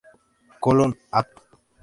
Colón- Av.